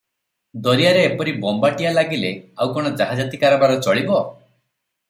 ଦରିଆରେ ଏପରି ବୋମ୍ବାଟିଆ ଲାଗିଲେ ଆଉ କଣ ଜାହାଜାତି କାରବାର ଚଳିବ?